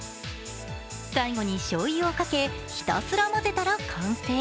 最後にしょうゆをかけ、ひたすらまぜたら完成。